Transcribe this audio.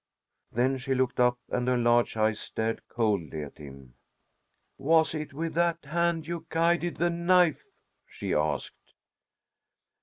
Then she looked up, and her large eyes stared coldly at him. "Was it with that hand you guided the knife?" she asked.